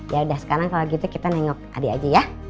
yaudah sekarang kalau gitu kita nengok adik adik ya